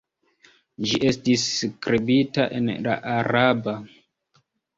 Ĝi estis skribita en la araba.